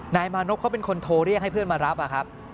นายมานพเขาเป็นคนโทรเรียกให้เพื่อนมารับอะครับ